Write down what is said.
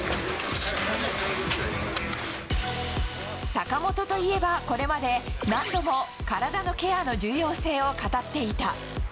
坂本といえば、これまで何度も体のケアの重要性を語っていた。